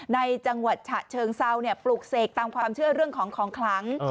ในจังหวัดฉะเชิงเซาปลูกเสกตามความเชื่อเรื่องของของคลัง